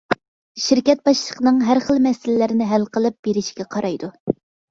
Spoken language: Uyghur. شىركەت باشلىقىنىڭ ھەر خىل مەسىلىلەرنى ھەل قىلىپ بېرىشىگە قارايدۇ.